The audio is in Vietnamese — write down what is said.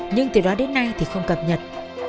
nhưng từ đó đến nay thì không cập nhật